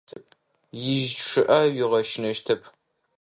Ижьы чъыӏэ уигъэщынэщтэп.